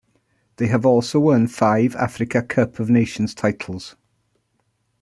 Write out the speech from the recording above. They have also won five Africa Cup of Nations titles.